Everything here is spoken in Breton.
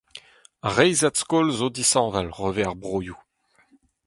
Ar reizhiad skol zo disheñvel hervez ar broioù.